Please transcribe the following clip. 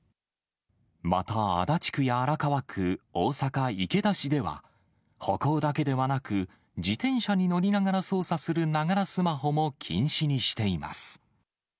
また足立区や荒川区、大阪・池田市では、歩行だけではなく、自転車に乗りながら操作するながらスマホも禁止にしています。